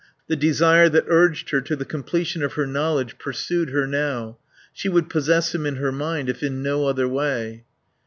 The desire that urged her to the completion of her knowledge pursued her now. She would possess him in her mind if in no other way.